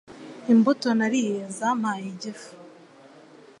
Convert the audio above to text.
Imbuto nariye zampaye igifu.